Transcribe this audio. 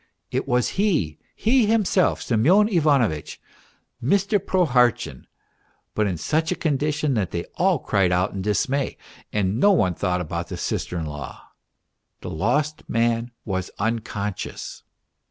It was he he himself Semyon Ivanovitch, Mr. Pro hartchin, but in such a condition that they all cried out in dismay, and no one thought about the sister in law. The lost man was unconscious.